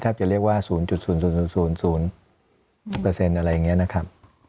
แทบจะเรียกว่า๐๐๐๐๐๐๐อะไรอย่างนี้นะครับ